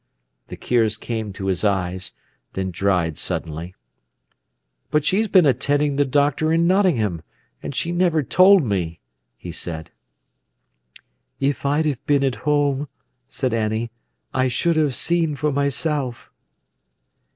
The tears came to his eyes, then dried suddenly. "But she's been attending the doctor in Nottingham—and she never told me," he said. "If I'd have been at home," said Annie, "I should have seen for myself."